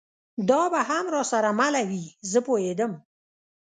دا به هم را سره مله وي، زه پوهېدم.